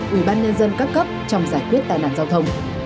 ủy ban nhân dân các cấp trong giải quyết tai nạn giao thông